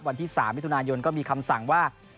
วันที่๓มิถุนายนก็มีคำสั่งว่า